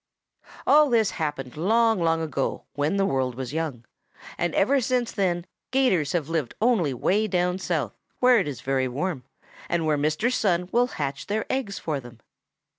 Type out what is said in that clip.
"All this happened long, long ago when the world was young, and ever since then 'Gators have lived only way down south, where it is very warm and where Mr. Sun will hatch their eggs for them.